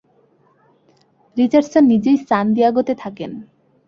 Richardson নিজেই San দিয়াগোতে থাকেন।